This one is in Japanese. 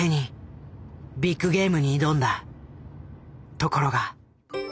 ところが。